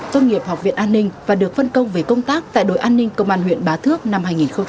tốt nghiệp học viện an ninh và được phân công về công tác tại đội an ninh công an huyện bá thước năm hai nghìn hai mươi ba